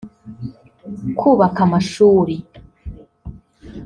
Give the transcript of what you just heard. kubaka amashuri